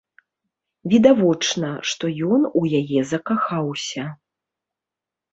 Відавочна, што ён у яе закахаўся.